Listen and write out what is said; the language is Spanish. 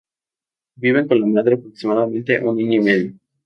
Viven con la madre aproximadamente un año y medio.